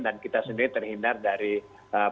dan kita sendiri terhindar dari eee